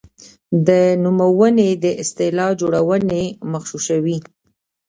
د نومونې او اصطلاح جوړونې مغشوشوي.